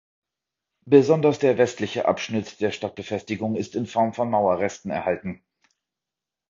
Besonders der westliche Abschnitt der Stadtbefestigung ist in Form von Mauerresten erhalten.